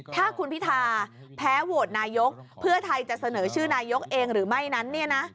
ถ้าคุณพิธาแพ้โหวตนายกเพื่อไทยจะเสนอชื่อนายกเองหรือไม่นั้น